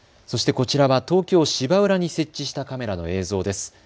そしてこちらは東京芝浦に設置したカメラの映像です。